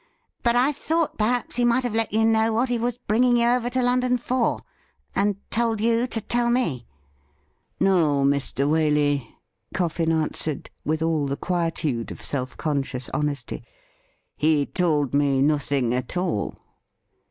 But I thought perhaps he might have let you know what he was bringing you over to London for, and told you to tell me.' ' No, Mr. Waley,' Coffin answered, with all the quietude of self conscious honesty ;' he told me nothing at all.'